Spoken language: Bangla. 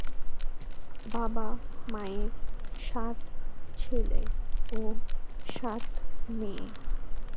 বাবা মায়ের সাত ছেলে ও সাত মেয়ে।